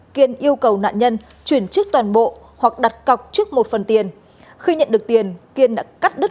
kiên yêu cầu nạn nhân chuyển trước toàn bộ hoặc đặt cọc trước một phần tiền khi nhận được tiền kiên đã cắt đứt